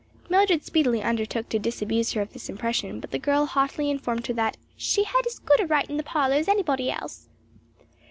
Mildred speedily undertook to disabuse her of this impression, but the girl haughtily informed her that "she had as good a right in the parlor as anybody else."